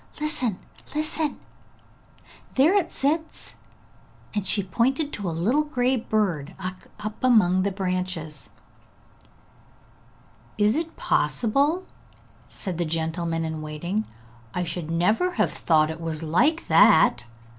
'Listen, listen, there it sits!' and she pointed to a little grey bird up among the branches. 'Is it possible?' said the gentleman in waiting. 'I should never have thought it was like that.